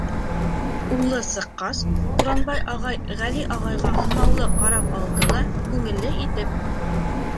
Улы сыҡҡас, Буранбай ағай Ғәли ағайға һынаулы ҡарап алды ла, күңелле итеп: